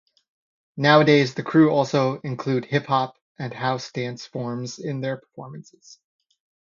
Nowadays the crew also include Hip Hop and House dance forms in their performances.